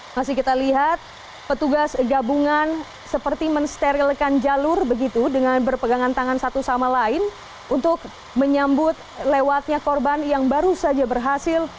masih kita lihat petugas gabungan seperti mensterilkan jalur begitu dengan berpegangan tangan satu sama lain untuk menyambut lewatnya korban yang baru saja berhasil